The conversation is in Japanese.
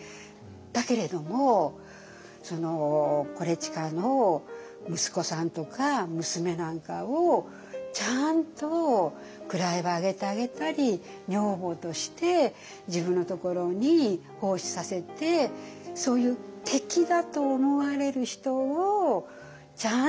だけれども伊周の息子さんとか娘なんかをちゃんと位を上げてあげたり女房として自分のところに奉仕させてそういう敵だと思われる人をちゃんと。